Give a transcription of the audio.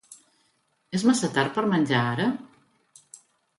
És massa tard per menjar ara?